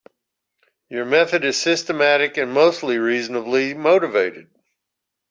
Your method is systematic and mostly reasonably motivated.